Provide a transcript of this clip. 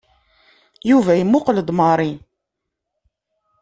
Yuba imuqel-d Mary.